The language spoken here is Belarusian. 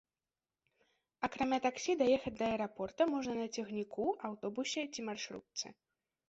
Акрамя таксі даехаць да аэрапорта можна на цягніку, аўтобусе ці маршрутцы.